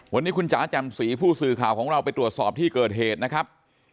วันนี้คุณจ๋าแจ่มสีผู้สื่อข่าวของเราไปตรวจสอบที่เกิดเหตุนะครับ